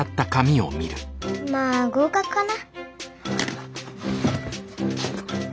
まあ合格かな。